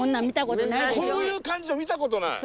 こういう感じは見たことない。